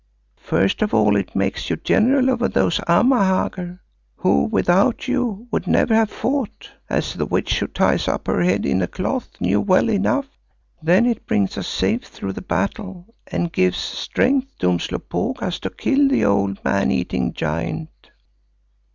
First of all it makes you General over those Amahagger who without you would never have fought, as the Witch who ties up her head in a cloth knew well enough. Then it brings us safe through the battle and gives strength to Umslopogaas to kill the old man eating giant."